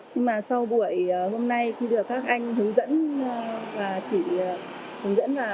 nhưng mà sau buổi hôm nay khi được các anh hướng dẫn và chỉ đạo